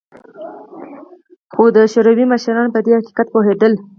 خو د شوروي مشران په دې حقیقت پوهېدل